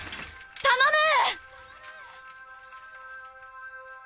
頼む！